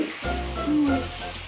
うん。